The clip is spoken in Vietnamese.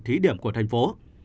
thí điểm của thành phố